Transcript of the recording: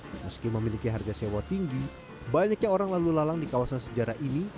meski memiliki harga sewa tinggi banyaknya orang lalu lalang di kawasan sejarah ini